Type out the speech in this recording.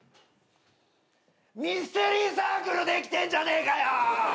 ミステリーサークルできてんじゃねえかよ！